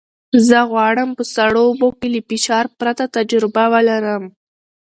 زه غواړم په سړو اوبو کې له فشار پرته تجربه ولرم.